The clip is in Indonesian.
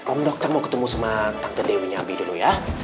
om dokter mau ketemu sama tante dewinya abi dulu ya